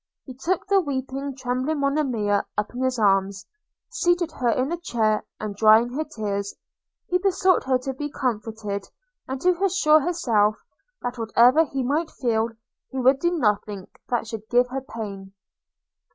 He took the weeping, trembling Monimia up in his arms, seated her in a chair; and drying her eyes, he besought her to be comforted, and to assure herself, that whatever he might feel, he would do nothing that should give her pain.